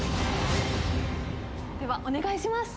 ではお願いします